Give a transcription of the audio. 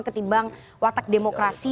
ketimbang watak demokrasi